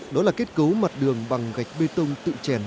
đó là kết cấu mặt đường bằng gạch bê tông tự chèn